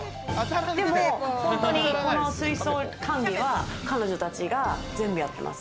でも本当に水槽管理は彼女たちが全部やってます。